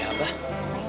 gak ada apa apa